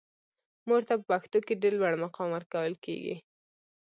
مور ته په پښتنو کې ډیر لوړ مقام ورکول کیږي.